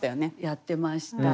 やってました。